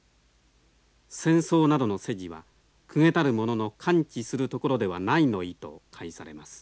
「戦争などの世事は公家たる者の関知するところではない」の意と解されます。